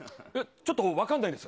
ちょっと分かんないです。